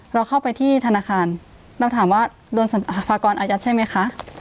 เราเข้าไปที่ธนาคารเราถามว่าโดนภากรอายัดใช่ไหมคะ